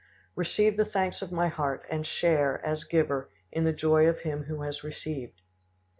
Receive the thanks of my heart, and share, as giver, in the joy of him who has received.